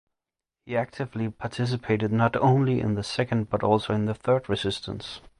He actively participated not only in the second but also in the third resistance.